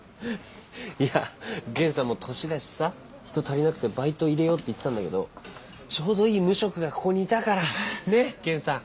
いや玄さんも年だしさ人足りなくてバイト入れようって言ってたんだけどちょうどいい無職がここにいたからねっ玄さん。